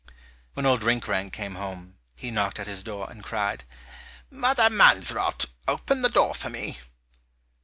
When Old Rinkrank came home, he knocked at his door, and cried, "Mother Mansrot, open the door for me."